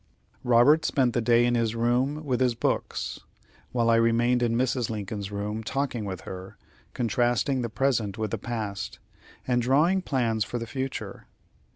Robert spent the day in his room with his books, while I remained in Mrs. Lincoln's room, talking with her, contrasting the present with the past, and drawing plans for the future.